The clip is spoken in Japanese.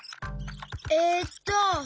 えっと。